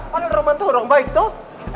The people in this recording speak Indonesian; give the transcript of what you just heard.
padahal romah tuh orang baik tuh